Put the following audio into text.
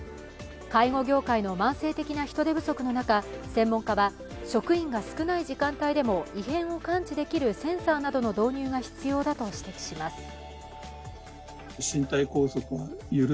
介護業界の慢性的な人手不足の中、専門家は、職員が少ない時間帯でも異変を察知できるセンサーなどの導入が必要だと指摘します。